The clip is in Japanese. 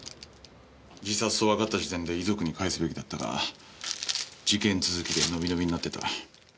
自殺とわかった時点で遺族に返すべきだったが事件続きで延び延びになってた。